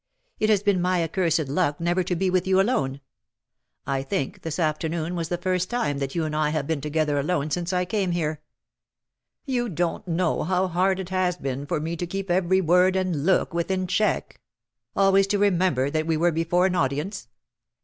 It has been my accursed luck never to be with you alone — I think this afternoon was the first time that you and I have been together alone since I came here. You. don't know how hard it has been for me to keep every word and look within check — always to remember that we were before an audience."